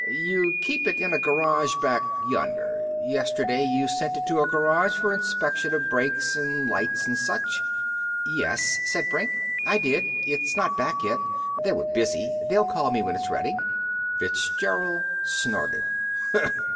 You keep it in a garage back yonder. Yesterday you sent it to a garage for inspection of brakes an' lights an' such." "Yes," said Brink. "I did. It's not back yet. They were busy. They'll call me when it's ready." Fitzgerald snorted.